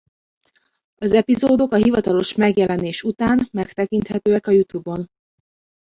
Az epizódok a hivatalos megjelenés után megtekinthetőek a YouTube-on.